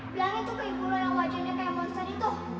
bilang itu ke ibu lo yang wajahnya kayak monster itu